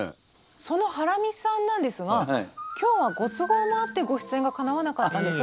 そのハラミさんなんですが今日はご都合もあってご出演がかなわなかったんですが。